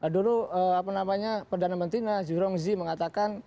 dulu perdana menteri jurong zee mengatakan